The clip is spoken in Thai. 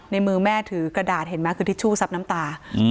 ในมือแม่ถือกระดาษเห็นไหมคือทิชชู่ซับน้ำตา